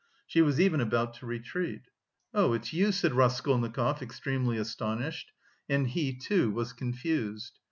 She was even about to retreat. "Oh... it's you!" said Raskolnikov, extremely astonished, and he, too, was confused.